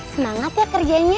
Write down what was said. semangat ya kerjanya